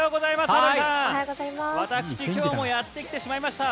私、今日もやってきてしまいました。